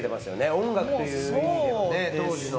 音楽という意味ではね当時の。